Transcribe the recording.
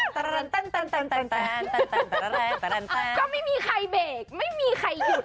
แต่ก็ไม่มีใครเบรกไม่มีใครหยุด